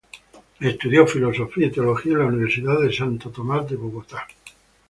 Estudió filosofía y teología en la Universidad de Santo Tomás de Bogotá.